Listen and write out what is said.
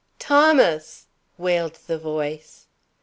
Thomas!" wailed the voice.